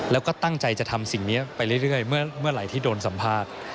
แล้วก็ตั้งใจจะทำสิ่งนี้ไปเรื่อยเมื่อไหร่ที่โดนสัมภาษณ์